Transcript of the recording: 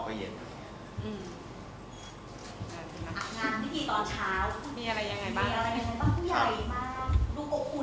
ก็เย็นอืมงานพี่ตอนเช้ามีอะไรยังไงบ้างมีอะไร